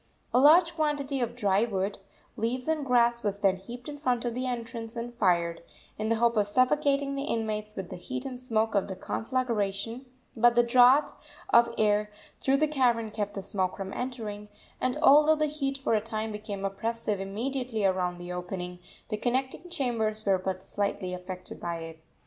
A large quantity of dry wood, leaves and grass was then heaped in front of the entrance and fired, in the hope of suffocating the inmates with the heat and smoke of the conflagration; but the draught of air through the cavern kept the smoke from entering, and, although the heat for a time became oppressive immediately around the opening, the connecting chambers were but slightly affected by it.